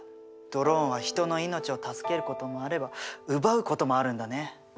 ドローンは人の命を助けることもあれば奪うこともあるんだね。